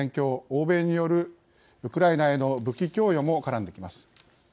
欧米によるウクライナへの武器供与も絡んできます。